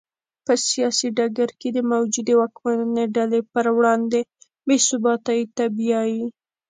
په سیاسي ډګر کې د موجودې واکمنې ډلې پر وړاندې بې ثباتۍ ته بیايي.